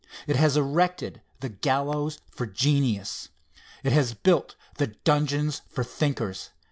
It has erected the gallows for Genius. It has built the dungeon for Thinkers.